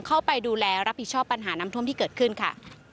เข้าไปดูแลรับผิดชอบปัญหาน้ำท่วมที่เกิดขึ้นค่ะ